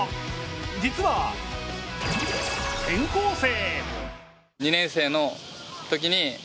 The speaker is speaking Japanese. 実は、転校生！